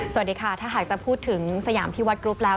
สวัสดีค่ะถ้าหากจะพูดถึงสยามที่วัดกรุ๊ปแล้ว